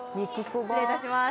失礼いたします